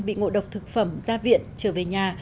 bị ngộ độc thực phẩm ra viện trở về nhà